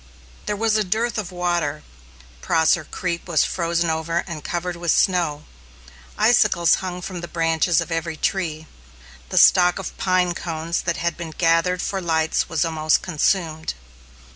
There was a dearth of water. Prosser Creek was frozen over and covered with snow. Icicles hung from the branches of every tree. The stock of pine cones that had been gathered for lights was almost consumed.